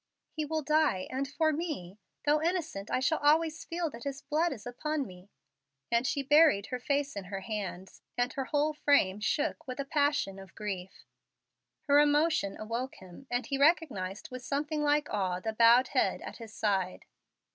"He will die, and for me. Though innocent, I shall always feel that his blood is upon me;" and she buried her face in her hands, and her whole frame shook with a passion of grief. Her emotion awoke him, and he recognized with something like awe the bowed head at his side.